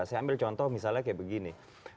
saya ambil contoh misalnya kayak begini